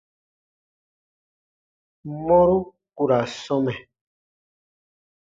Mɔru ku ra sɔmɛ.